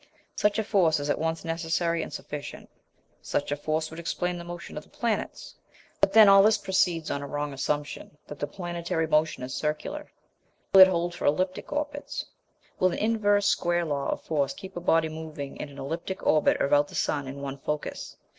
Such a force is at once necessary and sufficient. Such a force would explain the motion of the planets. But then all this proceeds on a wrong assumption that the planetary motion is circular. Will it hold for elliptic orbits? Will an inverse square law of force keep a body moving in an elliptic orbit about the sun in one focus?